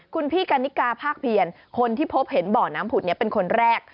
คุณพี่กันนิกาภาคเพียรคนที่พบเห็นบ่อน้ำผุดนี้เป็นคนแรก